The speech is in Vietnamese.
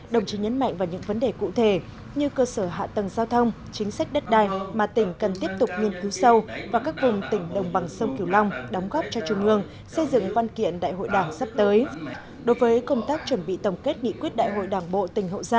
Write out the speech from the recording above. đồng chí nhấn mạnh vào những vấn đề cụ thể như cơ sở hạ tầng giao thông chính sách đất đai mà tỉnh cần tiếp tục nghiên cứu sâu vào các vùng tỉnh đồng bằng sông kiều long đóng góp cho trung ương xây dựng văn kiện đại hội đảng sắp tới